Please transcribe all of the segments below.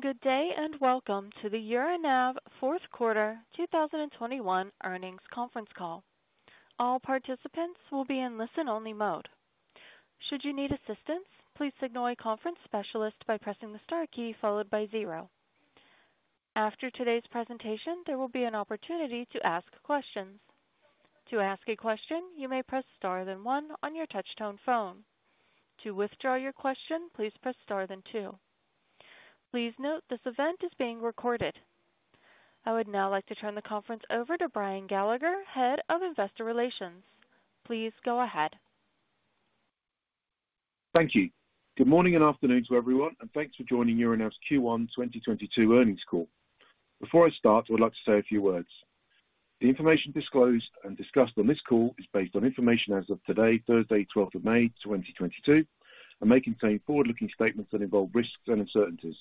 Good day, and welcome to the Euronav Fourth Quarter 2021 Earnings Conference Call. All participants will be in listen-only mode. Should you need assistance, please signal a conference specialist by pressing the star key followed by zero. After today's presentation, there will be an opportunity to ask questions. To ask a question, you may press star then one on your touch tone phone. To withdraw your question, please press star then two. Please note this event is being recorded. I would now like to turn the conference over to Brian Gallagher, Head of Investor Relations. Please go ahead. Thank you. Good morning and afternoon to everyone, and thanks for joining Euronav's Q1 2022 earnings call. Before I start, I would like to say a few words. The information disclosed and discussed on this call is based on information as of today, Thursday, 12th of May, 2022, and may contain forward-looking statements that involve risks and uncertainties.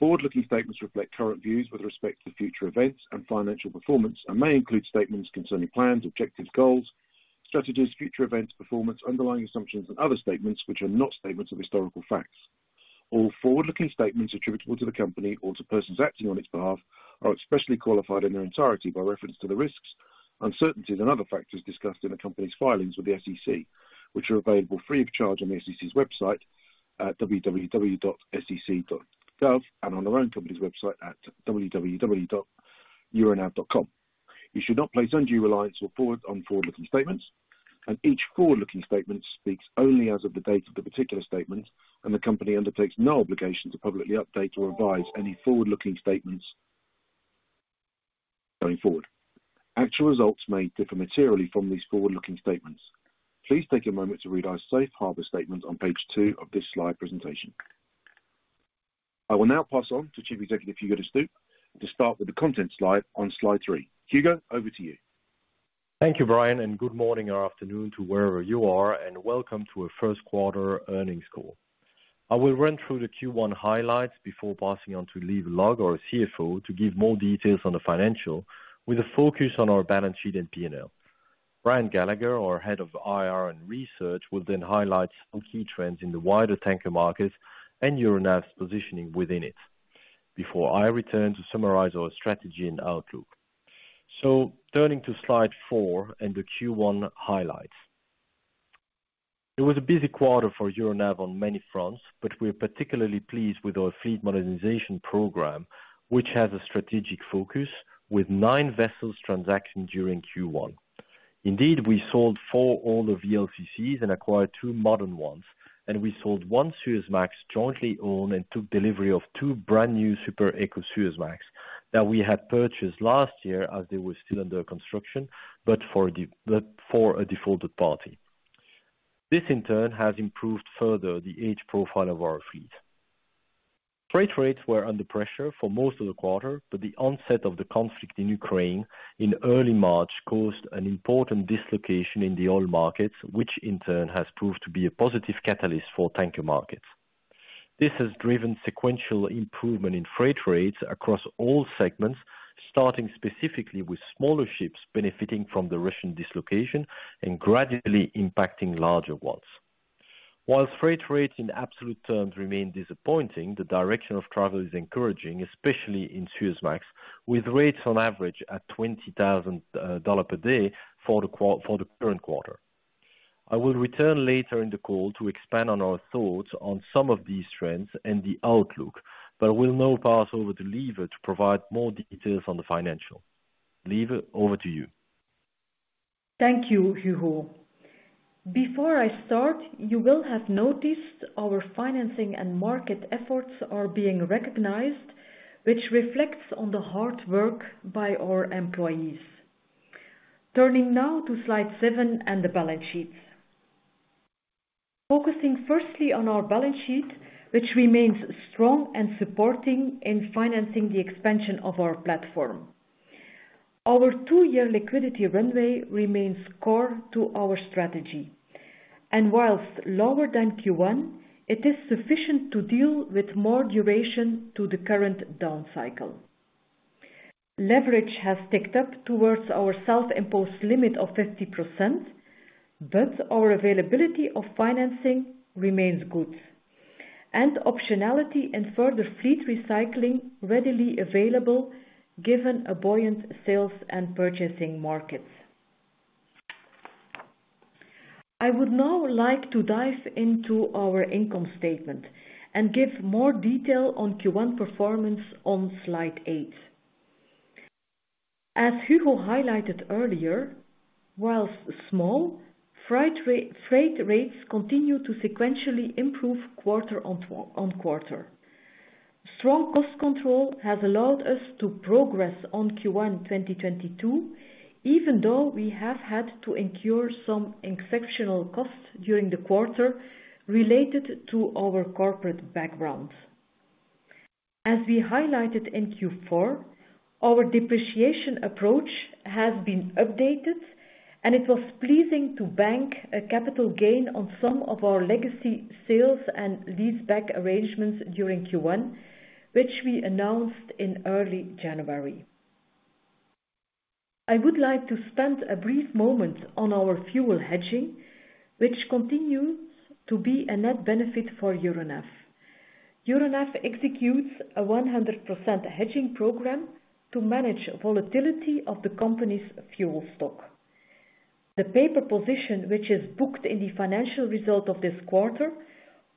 Forward-looking statements reflect current views with respect to future events and financial performance and may include statements concerning plans, objectives, goals, strategies, future events, performance, underlying assumptions and other statements which are not statements of historical facts. All forward-looking statements attributable to the company or to persons acting on its behalf are especially qualified in their entirety by reference to the risks, uncertainties, and other factors discussed in the company's filings with the SEC, which are available free of charge on the SEC's website at www.sec.gov and on our own company's website at www.euronav.com. You should not place undue reliance on forward-looking statements, and each forward-looking statement speaks only as of the date of the particular statement, and the company undertakes no obligation to publicly update or revise any forward-looking statements going forward. Actual results may differ materially from these forward-looking statements. Please take a moment to read our safe harbor statement on page two of this slide presentation. I will now pass on to Chief Executive Hugo De Stoop to start with the content slide on slide three. Hugo, over to you. Thank you, Brian, and good morning or afternoon to wherever you are, and welcome to our first quarter earnings call. I will run through the Q1 highlights before passing on to Lieve Logghe our CFO to give more details on the financial with a focus on our balance sheet and P&L. Brian Gallagher, our Head of IR and Research, will then highlight some key trends in the wider tanker markets and Euronav's positioning within it before I return to summarize our strategy and outlook. Turning to slide four and the Q1 highlights. It was a busy quarter for Euronav on many fronts, but we're particularly pleased with our fleet modernization program, which has a strategic focus with nine vessels transacting during Q1. Indeed, we sold four older VLCCs and acquired two modern ones, and we sold one Suezmax jointly owned and took delivery of two brand new Super Eco Suezmax that we had purchased last year as they were still under construction, but for a defaulted party. This in turn has improved further the age profile of our fleet. Freight rates were under pressure for most of the quarter, but the onset of the conflict in Ukraine in early March caused an important dislocation in the oil markets, which in turn has proved to be a positive catalyst for tanker markets. This has driven sequential improvement in freight rates across all segments, starting specifically with smaller ships benefiting from the Russian dislocation and gradually impacting larger ones. While freight rates in absolute terms remain disappointing, the direction of travel is encouraging, especially in Suezmax, with rates on average at $20,000 per day for the current quarter. I will return later in the call to expand on our thoughts on some of these trends and the outlook, but I will now pass over to Lieve to provide more details on the financials. Lieve, over to you. Thank you, Hugo. Before I start, you will have noticed our financing and market efforts are being recognized, which reflects on the hard work by our employees. Turning now to slide seven and the balance sheets. Focusing firstly on our balance sheet, which remains strong and supporting in financing the expansion of our platform. Our two-year liquidity runway remains core to our strategy. While lower than Q1, it is sufficient to deal with more duration to the current down cycle. Leverage has ticked up towards our self-imposed limit of 50%, but our availability of financing remains good. Optionality in further fleet recycling readily available given a buoyant sales and purchasing markets. I would now like to dive into our income statement and give more detail on Q1 performance on slide eight. As Hugo highlighted earlier, while small, freight rates continue to sequentially improve quarter-on-quarter. Strong cost control has allowed us to progress in Q1 2022, even though we have had to incur some exceptional costs during the quarter related to our corporate background. As we highlighted in Q4, our depreciation approach has been updated, and it was pleasing to bank a capital gain on some of our legacy sales and leaseback arrangements during Q1, which we announced in early January. I would like to spend a brief moment on our fuel hedging, which continues to be a net benefit for Euronav. Euronav executes a 100% hedging program to manage volatility of the company's fuel stock. The paper position, which is booked in the financial result of this quarter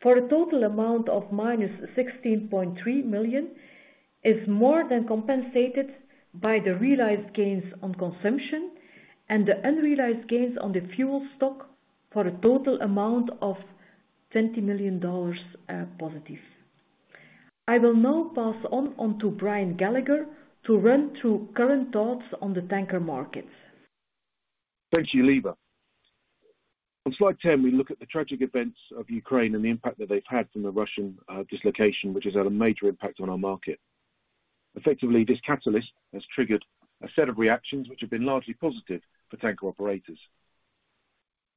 for a total amount of -$16.3 million, is more than compensated by the realized gains on consumption and the unrealized gains on the fuel stock for a total amount of $20 million, positives. I will now pass on onto Brian Gallagher to run through current thoughts on the tanker markets. Thank you, Lieve. On slide 10, we look at the tragic events of Ukraine and the impact that they've had from the Russian dislocation, which has had a major impact on our market. Effectively, this catalyst has triggered a set of reactions which have been largely positive for tanker operators.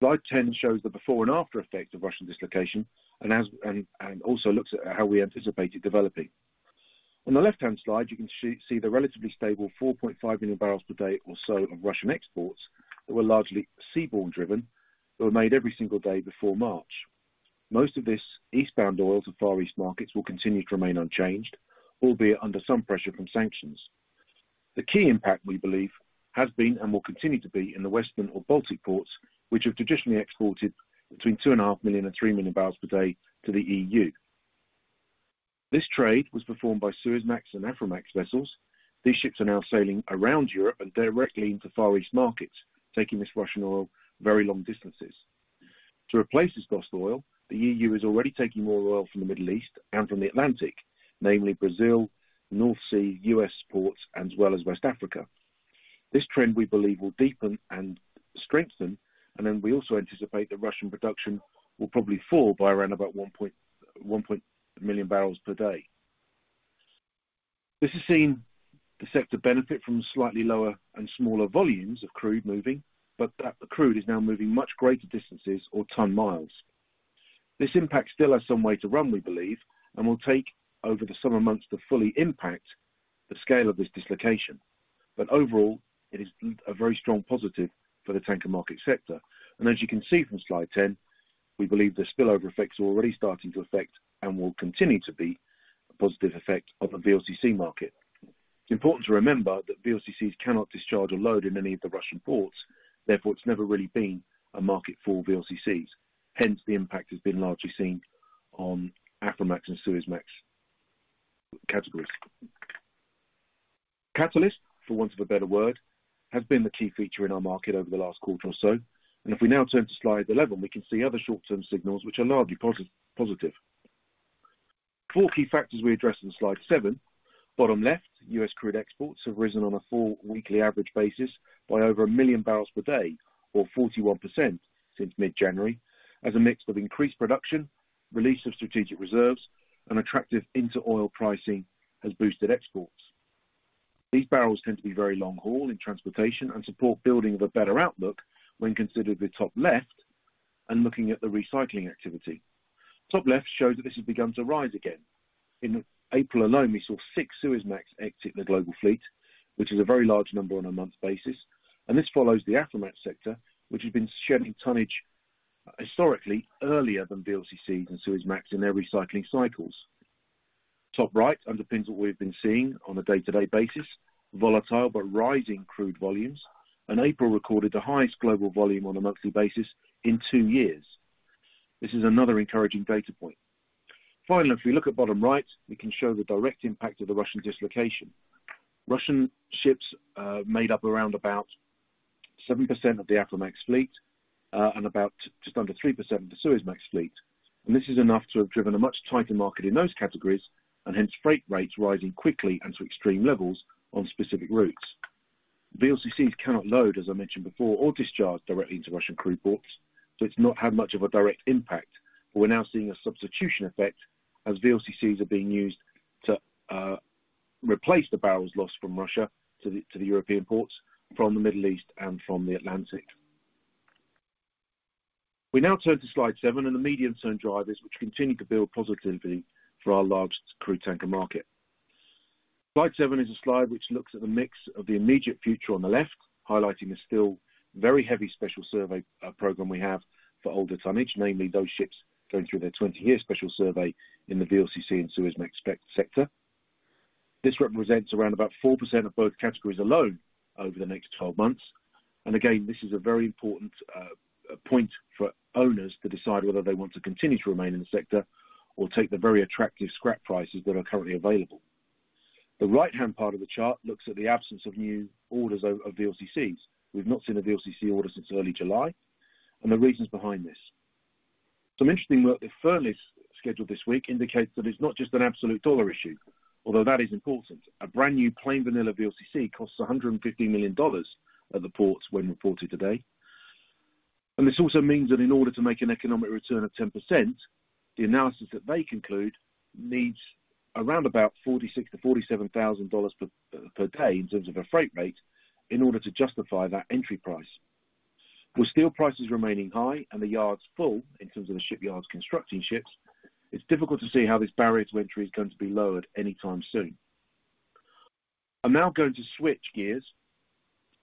Slide 10 shows the before and after effects of Russian dislocation and also looks at how we anticipate it developing. On the left-hand side, you can see the relatively stable 4.5 million bbl per day or so of Russian exports that were largely seaborne driven, that were made every single day before March. Most of this eastbound oil to Far East markets will continue to remain unchanged, albeit under some pressure from sanctions. The key impact, we believe, has been, and will continue to be, in the Western or Baltic ports, which have traditionally exported between 2.5 million and 3 million bbl per day to the EU. This trade was performed by Suezmax and Aframax vessels. These ships are now sailing around Europe and directly into Far East markets, taking this Russian oil very long distances. To replace this lost oil, the EU is already taking more oil from the Middle East and from the Atlantic, namely Brazil, North Sea, U.S. ports, as well as West Africa. This trend we believe will deepen and strengthen, and then we also anticipate that Russian production will probably fall by around about 1.1 million bbl per day. This has seen the sector benefit from slightly lower and smaller volumes of crude moving, but that crude is now moving much greater distances or ton miles. This impact still has some way to run, we believe, and will take over the summer months to fully impact the scale of this dislocation. Overall, it is a very strong positive for the tanker market sector. As you can see from slide 10, we believe the spillover effects are already starting to affect and will continue to be a positive effect on the VLCC market. It's important to remember that VLCCs cannot discharge or load in any of the Russian ports. Therefore, it's never really been a market for VLCCs. Hence, the impact has been largely seen on Aframax and Suezmax categories. Catalyst, for want of a better word, has been the key feature in our market over the last quarter or so. If we now turn to slide 11, we can see other short-term signals which are largely positive. Four key factors we addressed in slide seven. Bottom left, U.S. crude exports have risen on a four weekly average basis by over 1 million bbl per day or 41% since mid-January, as a mix of increased production, release of strategic reserves, and attractive inter oil pricing has boosted exports. These barrels tend to be very long haul in transportation and support building of a better outlook when considered with top left and looking at the recycling activity. Top left shows that this has begun to rise again. In April alone, we saw six Suezmax exit the global fleet, which is a very large number on a month basis. This follows the Aframax sector, which has been shedding tonnage historically earlier than VLCC and Suezmax in their recycling cycles. Top right underpins what we've been seeing on a day-to-day basis, volatile but rising crude volumes. April recorded the highest global volume on a monthly basis in two years. This is another encouraging data point. Finally, if we look at bottom right, we can show the direct impact of the Russian dislocation. Russian ships made up around about 7% of the Aframax fleet and about just under 3% of the Suezmax fleet. This is enough to have driven a much tighter market in those categories, and hence freight rates rising quickly and to extreme levels on specific routes. VLCCs cannot load, as I mentioned before, or discharge directly into Russian crude ports, so it's not had much of a direct impact. We're now seeing a substitution effect as VLCCs are being used to replace the barrels lost from Russia to the European ports from the Middle East and from the Atlantic. We now turn to slide seven and the medium-term drivers which continue to build positivity for our largest crude tanker market. Slide seven is a slide which looks at the mix of the immediate future on the left, highlighting the still very heavy special survey program we have for older tonnage, namely those ships going through their 20-year special survey in the VLCC and Suezmax sector. This represents around about 4% of both categories alone over the next 12 months. This is a very important point for owners to decide whether they want to continue to remain in the sector or take the very attractive scrap prices that are currently available. The right-hand part of the chart looks at the absence of new orders of VLCCs. We've not seen a VLCC order since early July and the reasons behind this. Some interesting work the Fearnleys scheduled this week indicates that it's not just an absolute dollar issue, although that is important. A brand new plain vanilla VLCC costs $150 million at the yards when reported today. This also means that in order to make an economic return of 10%, the analysis that they conclude needs around about $46,000-$47,000 per day in terms of a freight rate in order to justify that entry price. With steel prices remaining high and the yards full in terms of the shipyards constructing ships, it's difficult to see how this barrier to entry is going to be lowered anytime soon. I'm now going to switch gears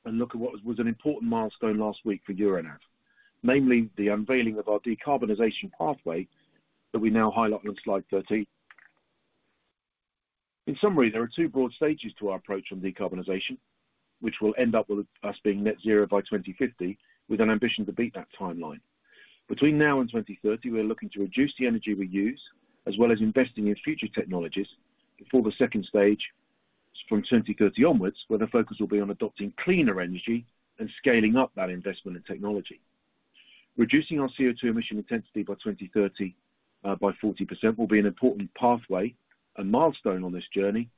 and look at what was an important milestone last week for Euronav, namely the unveiling of our decarbonization pathway that we now highlight on slide 30. In summary, there are two broad stages to our approach on decarbonization, which will end up with us being net zero by 2050, with an ambition to beat that timeline. Between now and 2030, we are looking to reduce the energy we use, as well as investing in future technologies before the second stage from 2030 onwards, where the focus will be on adopting cleaner energy and scaling up that investment in technology. Reducing our CO₂ emission intensity by 2030 by 40% will be an important pathway and milestone on this journey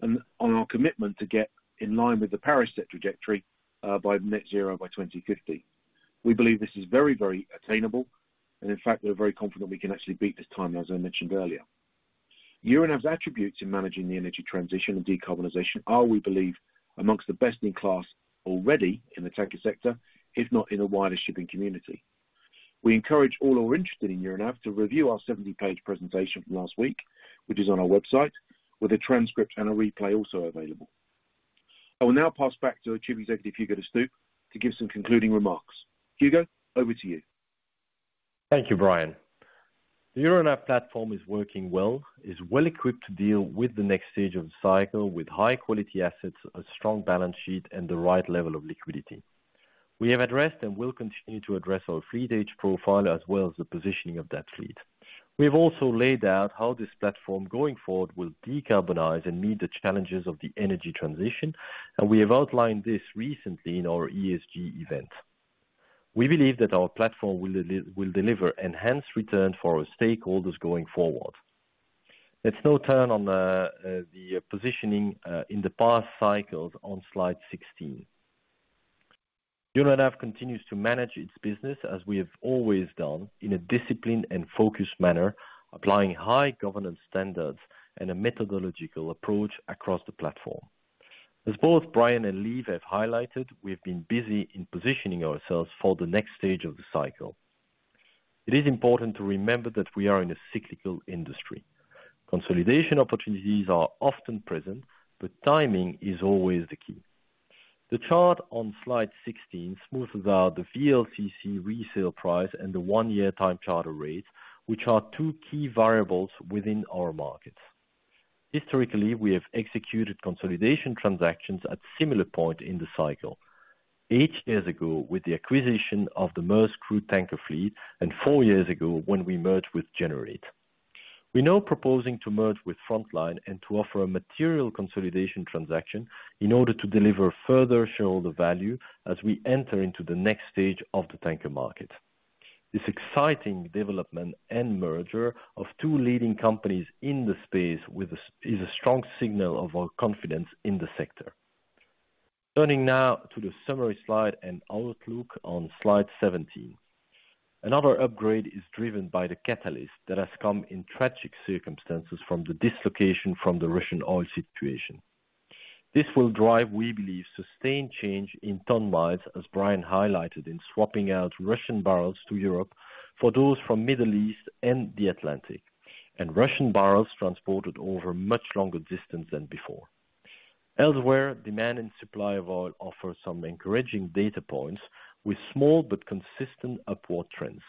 and on our commitment to get in line with the Paris-set trajectory by net zero by 2050. We believe this is very, very attainable, and in fact, we're very confident we can actually beat this timeline, as I mentioned earlier. Euronav's attributes in managing the energy transition and decarbonization are, we believe, among the best in class already in the tanker sector, if not in a wider shipping community. We encourage all who are interested in Euronav to review our 70-page presentation from last week, which is on our website with a transcript and a replay also available. I will now pass back to our Chief Executive, Hugo De Stoop, to give some concluding remarks. Hugo, over to you. Thank you, Brian. The Euronav platform is working well. It's well equipped to deal with the next stage of the cycle with high quality assets, a strong balance sheet, and the right level of liquidity. We have addressed and will continue to address our fleet age profile as well as the positioning of that fleet. We have also laid out how this platform going forward will decarbonize and meet the challenges of the energy transition, and we have outlined this recently in our ESG event. We believe that our platform will deliver enhanced return for our stakeholders going forward. Let's now turn to the positioning in the past cycles on slide 16. Euronav continues to manage its business as we have always done in a disciplined and focused manner, applying high governance standards and a methodological approach across the platform. As both Brian and Leiv have highlighted, we've been busy in positioning ourselves for the next stage of the cycle. It is important to remember that we are in a cyclical industry. Consolidation opportunities are often present, but timing is always the key. The chart on slide 16 smoothens out the VLCC resale price and the one-year time charter rates, which are two key variables within our markets. Historically, we have executed consolidation transactions at similar point in the cycle. Eight years ago, with the acquisition of the Gener8 crude tanker fleet and four years ago when we merged with Gener8. We're now proposing to merge with Frontline and to offer a material consolidation transaction in order to deliver further shareholder value as we enter into the next stage of the tanker market. This exciting development and merger of two leading companies in the space is a strong signal of our confidence in the sector. Turning now to the summary slide and outlook on slide 17. Another upgrade is driven by the catalyst that has come in tragic circumstances from the dislocation from the Russian oil situation. This will drive, we believe, sustained change in ton miles, as Brian highlighted, in swapping out Russian barrels to Europe for those from Middle East and the Atlantic, and Russian barrels transported over much longer distance than before. Elsewhere, demand and supply of oil offers some encouraging data points with small but consistent upward trends.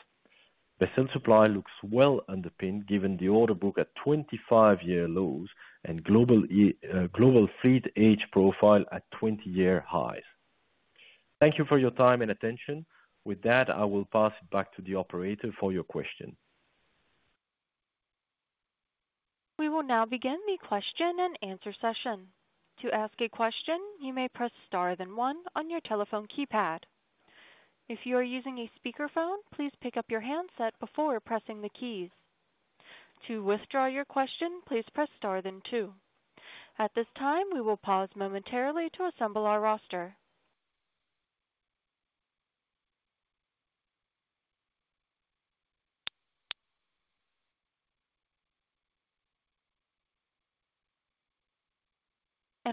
Vessel supply looks well underpinned, given the order book at 25-year lows and global fleet age profile at 20-year highs. Thank you for your time and attention. With that, I will pass it back to the operator for your question. We will now begin the question and answer session. To ask a question, you may press star then one on your telephone keypad. If you are using a speakerphone, please pick up your handset before pressing the keys. To withdraw your question, please press star then two. At this time, we will pause momentarily to assemble our roster.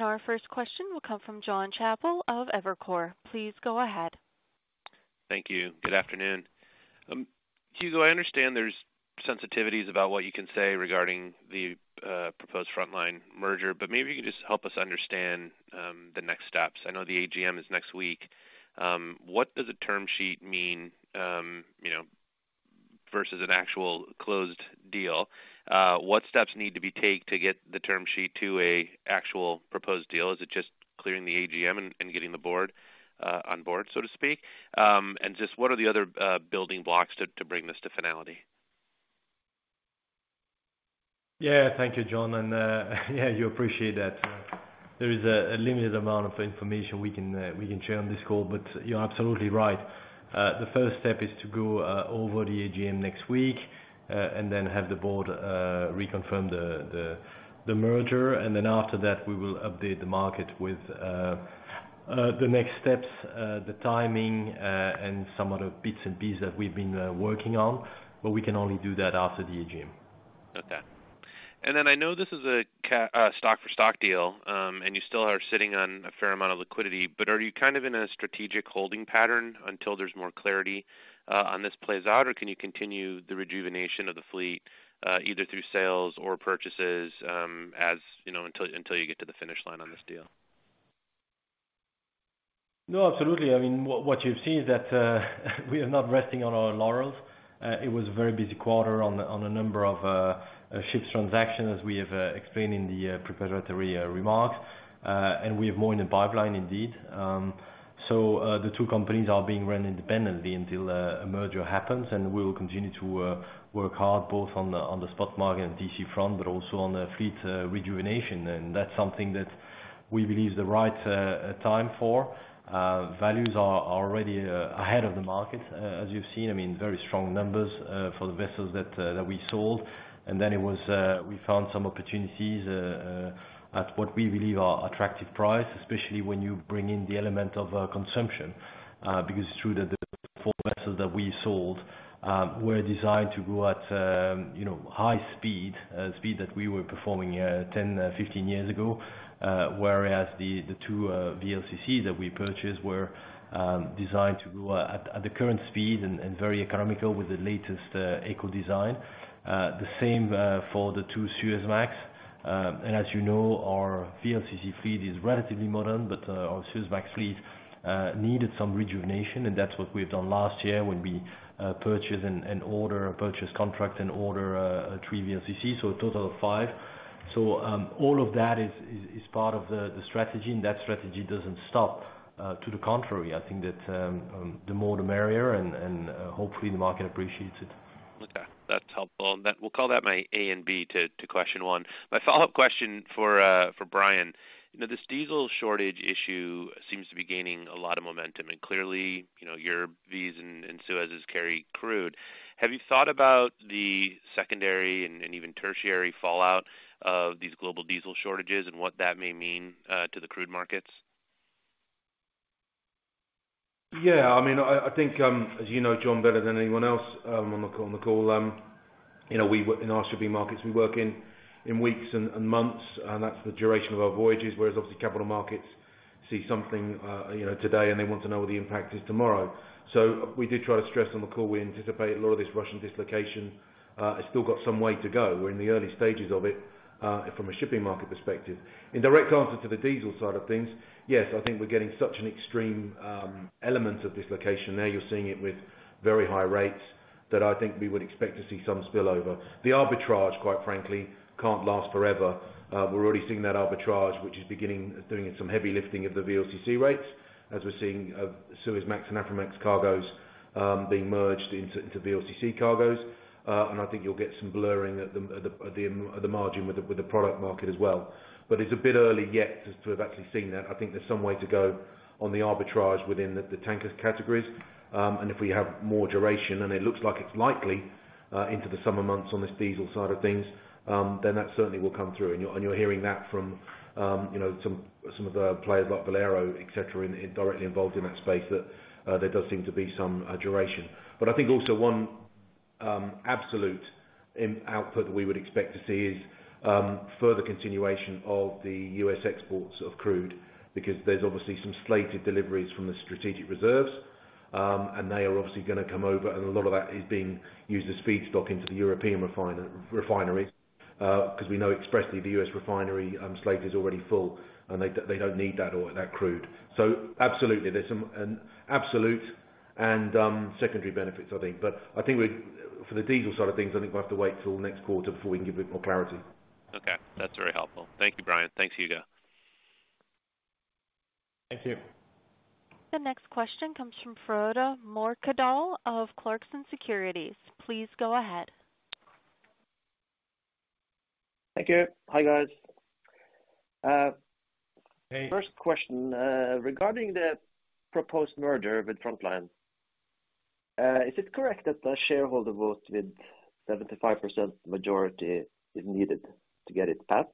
Our first question will come from Jonathan Chappell of Evercore. Please go ahead. Thank you. Good afternoon. Hugo De Stoop, I understand there's sensitivities about what you can say regarding the proposed Frontline merger, but maybe you could just help us understand the next steps. I know the AGM is next week. What does the term sheet mean, you know, versus an actual closed deal? What steps need to be take to get the term sheet to a actual proposed deal? Is it just clearing the AGM and getting the board on board, so to speak? Just what are the other building blocks to bring this to finality? Yeah. Thank you, Jon. Yeah, you appreciate that. There is a limited amount of information we can share on this call, but you're absolutely right. The first step is to go over the AGM next week, and then have the board reconfirm the merger, and then after that, we will update the market with the next steps, the timing, and some other bits and pieces that we've been working on, but we can only do that after the AGM. Noted. I know this is a stock for stock deal, and you still are sitting on a fair amount of liquidity, but are you kind of in a strategic holding pattern until there's more clarity on this plays out, or can you continue the rejuvenation of the fleet, either through sales or purchases, as you know, until you get to the finish line on this deal? No, absolutely. I mean, what you've seen is that we are not resting on our laurels. It was a very busy quarter on a number of ships transactions, as we have explained in the preparatory remarks. We have more in the pipeline, indeed. The two companies are being run independently until a merger happens. We will continue to work hard both on the spot market and TC front, but also on the fleet rejuvenation. That's something that we believe is the right time for. Values are already ahead of the market, as you've seen. I mean, very strong numbers for the vessels that we sold. We found some opportunities at what we believe are attractive prices, especially when you bring in the element of consumption. Because it's true that the four vessels that we sold were designed to go at you know high speed that we were performing 10, 15 years ago. Whereas the two VLCC that we purchased were designed to go at the current speed and very economical with the latest eco design. The same for the two Suezmax. As you know, our VLCC fleet is relatively modern, but our Suezmax fleet needed some rejuvenation, and that's what we've done last year when we purchased and order a purchase contract and order three VLCC, so a total of five. All of that is part of the strategy, and that strategy doesn't stop. To the contrary, I think that the more the merrier and hopefully the market appreciates it. Okay, that's helpful. We'll call that my A and B to question one. My follow-up question for Brian. You know, this diesel shortage issue seems to be gaining a lot of momentum, and clearly, you know, your VLCCs and Suezmaxes carry crude. Have you thought about the secondary and even tertiary fallout of these global diesel shortages and what that may mean to the crude markets? I mean, I think, as you know, Jon, better than anyone else on the call, you know, in our shipping markets, we work in weeks and months, and that's the duration of our voyages. Whereas obviously, capital markets see something today, and they want to know what the impact is tomorrow. We did try to stress on the call, we anticipate a lot of this Russian dislocation has still got some way to go. We're in the early stages of it from a shipping market perspective. In direct answer to the diesel side of things, yes, I think we're getting such an extreme element of dislocation there. You're seeing it with very high rates that I think we would expect to see some spill over. The arbitrage, quite frankly, can't last forever. We're already seeing that arbitrage, which is beginning, doing some heavy lifting of the VLCC rates as we're seeing Suezmax and Aframax cargoes being merged into VLCC cargoes. I think you'll get some blurring at the margin with the product market as well. It's a bit early yet to have actually seen that. I think there's some way to go on the arbitrage within the tanker categories. If we have more duration, and it looks like it's likely into the summer months on this diesel side of things, then that certainly will come through. You're hearing that from you know some of the players like Valero et cetera indirectly involved in that space that there does seem to be some duration. I think also one absolute outcome we would expect to see is further continuation of the U.S. exports of crude because there's obviously some slated deliveries from the strategic reserves. They are obviously gonna come over and a lot of that is being used as feedstock into the European refinery because we know exactly the U.S. refinery slate is already full and they don't need that oil that crude. Absolutely. There's some absolute and secondary benefits I think. I think for the diesel side of things, I think we'll have to wait till next quarter before we can give it more clarity. Okay, that's very helpful. Thank you, Brian. Thanks, Hugo. Thank you. The next question comes from Frode Mørkedal of Clarksons Securities. Please go ahead. Thank you. Hi, guys. Hey. First question, regarding the proposed merger with Frontline, is it correct that the shareholder vote with 75% majority is needed to get it passed?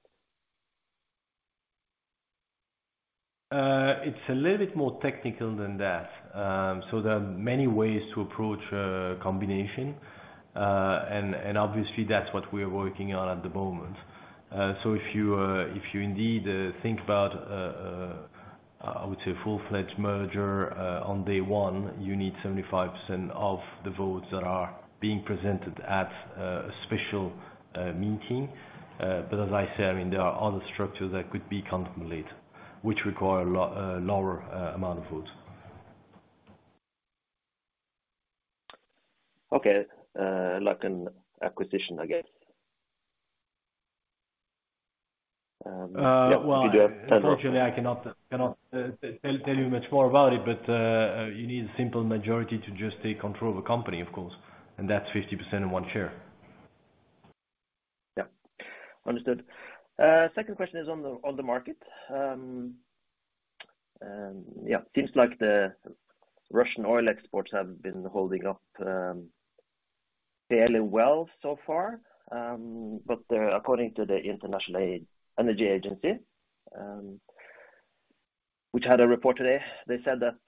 It's a little bit more technical than that. There are many ways to approach a combination. Obviously that's what we are working on at the moment. If you indeed think about, I would say a full-fledged merger, on day one, you need 75% of the votes that are being presented at a special meeting. As I said, I mean, there are other structures that could be contemplated which require a lower amount of votes. Okay. Like an acquisition, I guess. Yeah. Well, unfortunately, I cannot tell you much more about it, but you need a simple majority to just take control of a company, of course, and that's 50% and one share. Yeah. Understood. Second question is on the market. Seems like the Russian oil exports have been holding up fairly well so far. According to the International Energy Agency, which had a report today. They said that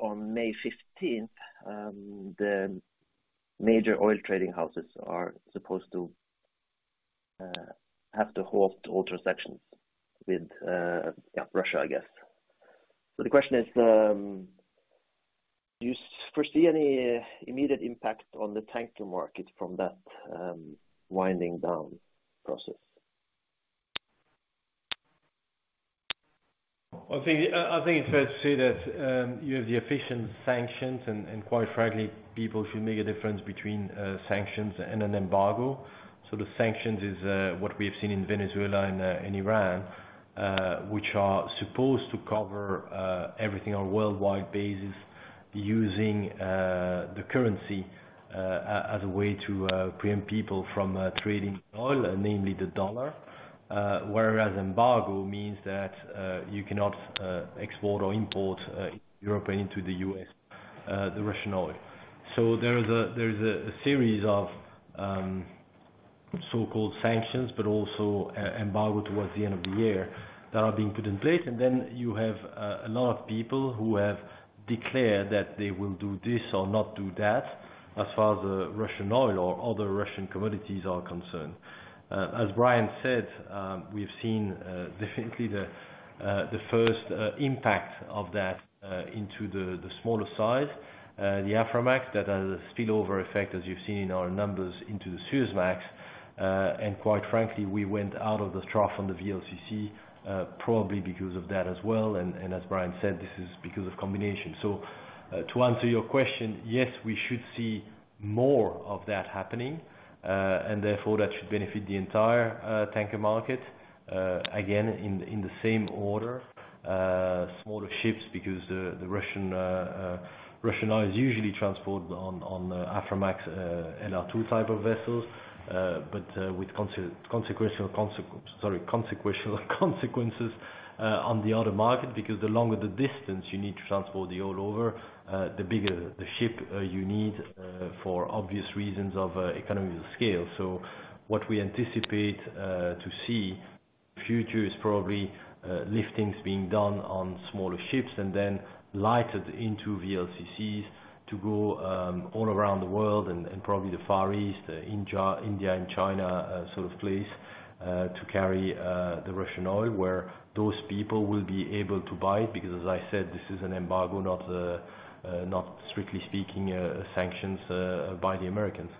on May fifteenth the major oil trading houses are supposed to have to halt all transactions with Russia, I guess. The question is, do you foresee any immediate impact on the tanker market from that winding down process? I think it's fair to say that you have the effective sanctions, and quite frankly, people should make a difference between sanctions and an embargo. The sanctions is what we have seen in Venezuela and in Iran, which are supposed to cover everything on a worldwide basis using the currency as a way to prevent people from trading oil, namely the dollar. Whereas embargo means that you cannot export or import to Europe or to the U.S. the Russian oil. There is a series of so-called sanctions, but also embargo towards the end of the year that are being put in place. You have a lot of people who have declared that they will do this or not do that as far as the Russian oil or other Russian commodities are concerned. As Brian said, we've seen definitely the first impact of that into the smaller side, the Aframax that has a spillover effect as you've seen in our numbers into the Suezmax. Quite frankly, we went out of the trough on the VLCC probably because of that as well. As Brian said, this is because of combination. To answer your question, yes, we should see more of that happening and therefore that should benefit the entire tanker market. Again, in the same order, smaller ships because the Russian oil is usually transported on Aframax, LR2 type of vessels. With consequential consequences on the other market, because the longer the distance you need to transport the oil over, the bigger the ship you need for obvious reasons of economies of scale. What we anticipate to see in the future is probably liftings being done on smaller ships and then lightered into VLCCs to go all around the world and probably the Far East, India and China, sort of places to carry the Russian oil where those people will be able to buy it, because as I said, this is an embargo, not strictly speaking, sanctions by the Americans.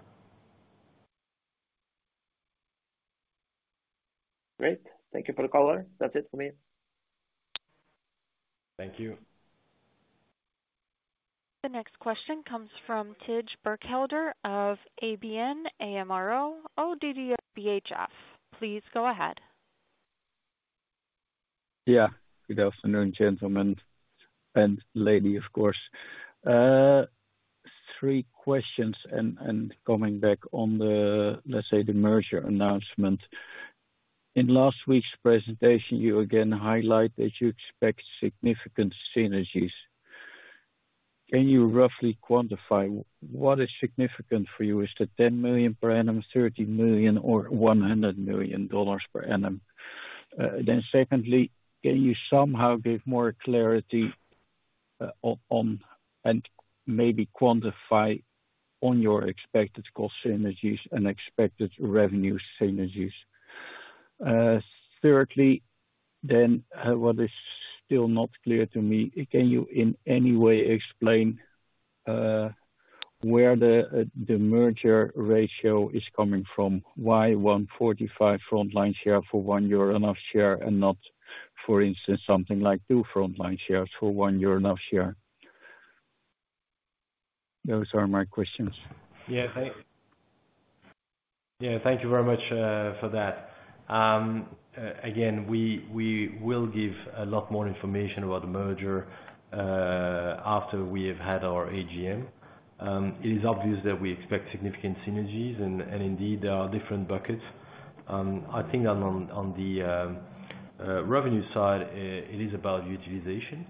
Great. Thank you for the color. That's it for me. Thank you. The next question comes from Thijs Berkelder of ABN AMRO – ODDO BHF. Please go ahead. Yeah. Good afternoon, gentlemen, and lady, of course. Three questions and coming back on the, let's say, the merger announcement. In last week's presentation, you again highlight that you expect significant synergies. Can you roughly quantify what is significant for you? Is that $10 million per annum, $30 million per annum or $100 million per annum? Then secondly, can you somehow give more clarity on and maybe quantify on your expected cost synergies and expected revenue synergies? Thirdly, what is still not clear to me, can you in any way explain where the merger ratio is coming from? Why 1.45 Frontline share for one Euronav share and not, for instance, something like two Frontline shares for one Euronav share? Those are my questions. Yeah. Thank you very much for that. Again, we will give a lot more information about the merger after we have had our AGM. It is obvious that we expect significant synergies, and indeed there are different buckets. I think on the revenue side, it is about utilization.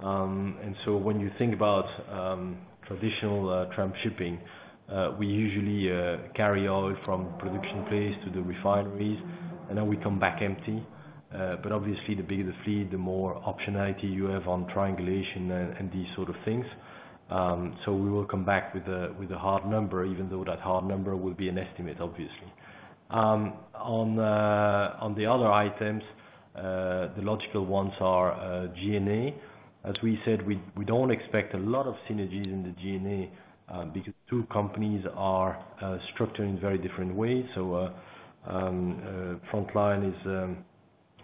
When you think about traditional tramp shipping, we usually carry oil from production place to the refineries, and then we come back empty. Obviously, the bigger the fleet, the more optionality you have on triangulation and these sort of things. We will come back with a hard number, even though that hard number will be an estimate, obviously. On the other items, the logical ones are G&A. As we said, we don't expect a lot of synergies in the G&A, because two companies are structured in very different ways. Frontline is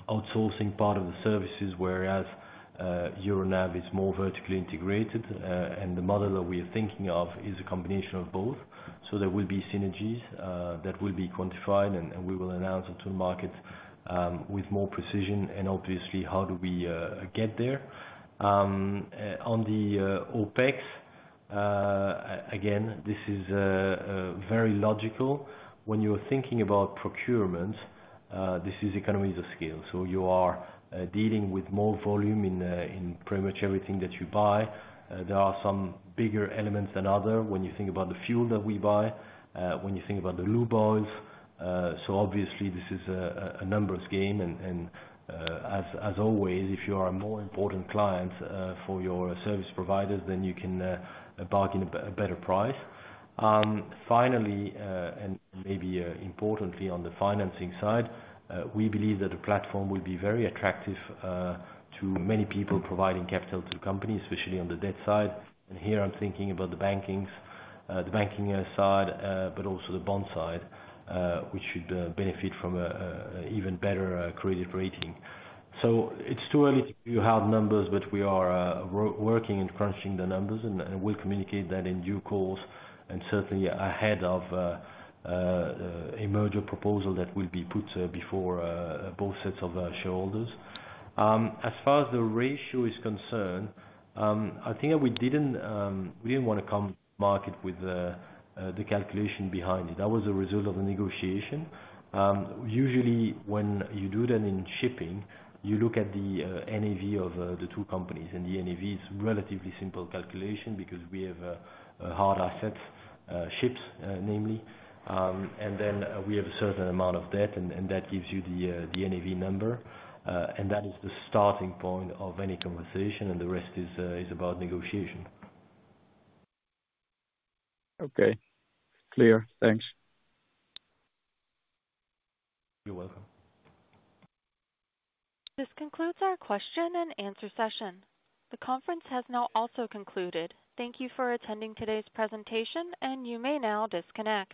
outsourcing part of the services, whereas Euronav is more vertically integrated, and the model that we are thinking of is a combination of both. There will be synergies that will be quantified, and we will announce it to the market with more precision and obviously how we get there. On the OpEx, again, this is very logical. When you're thinking about procurement, this is economies of scale. You are dealing with more volume in pretty much everything that you buy. There are some bigger elements than others when you think about the fuel that we buy, when you think about the lube oils. Obviously this is a numbers game. As always, if you are a more important client for your service providers, then you can bargain a better price. Finally, and maybe importantly on the financing side, we believe that the platform will be very attractive to many people providing capital to companies, especially on the debt side. Here I'm thinking about the banking side, but also the bond side, which should benefit from an even better credit rating. It's too early to give you hard numbers, but we are working and crunching the numbers and we'll communicate that in due course and certainly ahead of a merger proposal that will be put before both sets of shareholders. As far as the ratio is concerned, I think we didn't wanna come to market with the calculation behind it. That was a result of the negotiation. Usually when you do that in shipping, you look at the NAV of the two companies, and the NAV is relatively simple calculation because we have hard assets, ships, namely. And then we have a certain amount of debt, and that gives you the NAV number. That is the starting point of any conversation, and the rest is about negotiation. Okay. Clear. Thanks. You're welcome. This concludes our question and answer session. The conference has now also concluded. Thank you for attending today's presentation, and you may now disconnect.